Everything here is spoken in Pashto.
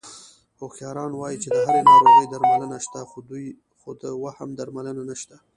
هوښیاران وایي چې د هرې ناروغۍ درملنه شته، خو د وهم درملنه نشته...